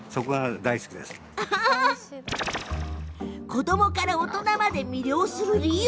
子どもから大人まで魅了する理由。